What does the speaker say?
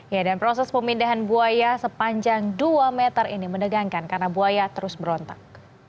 ya dan proses pemindahan buaya sepanjang dua meter ini menegangkan karena buaya terus berontak